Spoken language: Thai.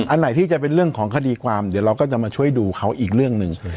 อันไหนที่จะเป็นเรื่องของคดีความเดี๋ยวเราก็จะมาช่วยดูเขาอีกเรื่องหนึ่ง